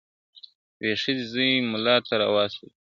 یوې ښځي زوی مُلا ته راوستلی ..